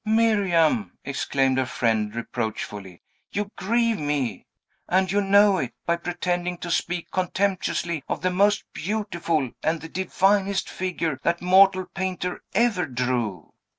"Miriam!" exclaimed her friend reproachfully, "you grieve me, and you know it, by pretending to speak contemptuously of the most beautiful and the divinest figure that mortal painter ever drew."